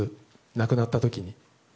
亡くなった時に。